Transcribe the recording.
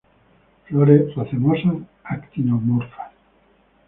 Flores racemosas, actinomorfas.